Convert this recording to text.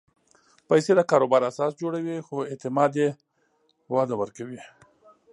پېسې د کاروبار اساس جوړوي، خو اعتماد یې وده ورکوي.